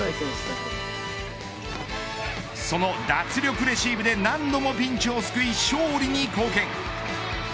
その脱力レシーブで、何度もピンチを救い、勝利に貢献。